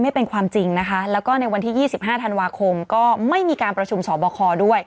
ไม่เป็นความจริงนะคะแล้วก็ในวันที่๒๕ธันวาคมก็ไม่มีการประชุมสอบคอด้วย